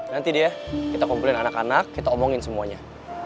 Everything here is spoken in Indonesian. nanti dia kita kumpulin anak anak kita omongin semuanya